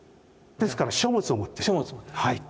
ですから書物を持ってる。